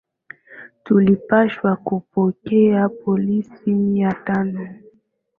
tulipaswa kupokea polisi mia tano